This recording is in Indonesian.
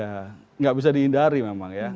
tidak bisa dihindari memang ya